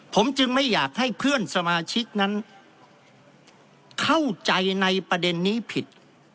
ผมจึงไม่อยากให้เพื่อนสมาชิกนั้นเข้าใจในประเด็นนี้ผิด